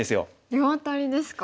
両アタリですか。